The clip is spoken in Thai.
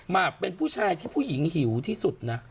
มากเป็นผู้ชายที่ผู้หญิงหิวที่สุดนะ